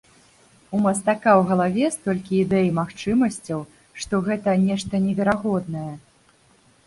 У мастака ў галаве столькі ідэй і магчымасцяў, што гэта нешта неверагоднае.